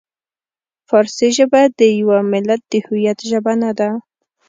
فارسي ژبه د یوه ملت د هویت ژبه نه ده.